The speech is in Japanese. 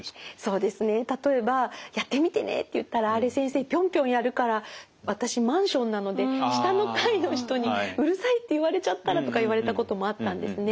そうですね例えばやってみてねって言ったらあれ先生ぴょんぴょんやるから私マンションなので下の階の人にうるさいって言われちゃったらとか言われたこともあったんですね。